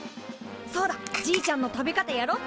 そうだじいちゃんの食べ方やろっと。